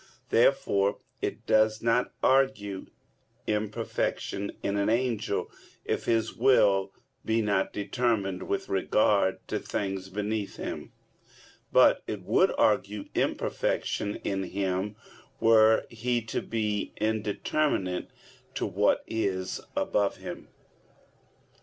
Therefore it does not argue imperfection in an angel if his will be not determined with regard to things beneath him; but it would argue imperfection in him, were he to be indeterminate to what is above him.